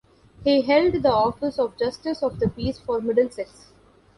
He held the office of Justice of the Peace for Middlesex.